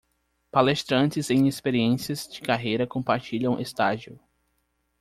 Palestrantes em experiências de carreira compartilham estágio